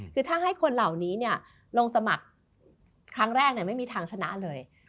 คือถ้าให้คนเหล่านี้ลงสมัครครั้งแรกไม่มีทางชนะเลย